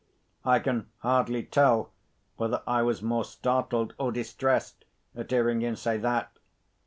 I can hardly tell whether I was more startled or distressed at hearing him say that.